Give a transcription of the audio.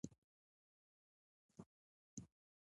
یو بل مُلا سره اوسېدلی وي.